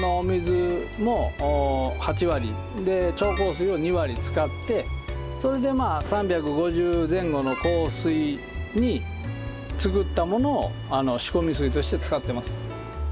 それを６７の使ってそれで３５０前後の硬水に作ったものを仕込み水として使ってます。